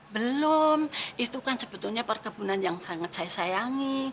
belum itu kan sebetulnya perkebunan yang sangat saya sayangi